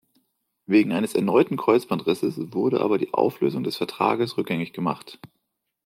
Wegen eines erneuten Kreuzbandrisses wurde aber die Auflösung des Vertrages rückgängig gemacht.